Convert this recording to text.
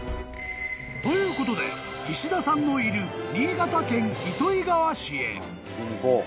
ということで石田さんのいる新潟県糸魚川市へ］